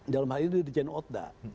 dalam hal ini dirjen otda